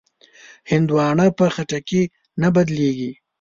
هندوانه په خټکي نه بدلېږي.